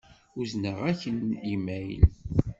Uzneɣ-ak-n imayl.